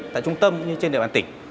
tại trung tâm như trên địa bàn tỉnh